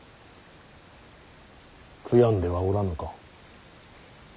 悔やんではおらぬか。